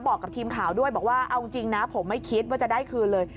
บอกกับทีมข่าวด้วยบอกว่าเอาจริงนะผมไม่คิดว่าจะได้คืนเลย